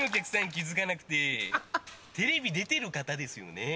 気づかなくてテレビ出てる方ですよね？